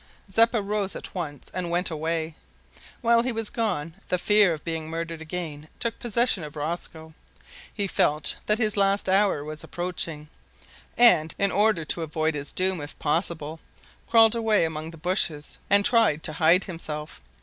Zeppa rose at once and went away. While he was gone the fear of being murdered again took possession of Rosco. He felt that his last hour was approaching, and, in order to avoid his doom if possible, crawled away among the bushes and tried to hide himself.